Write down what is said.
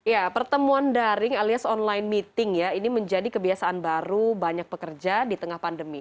ya pertemuan daring alias online meeting ya ini menjadi kebiasaan baru banyak pekerja di tengah pandemi